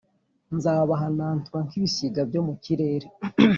Nzabahanantura nk’ibisiga byo mu kirere,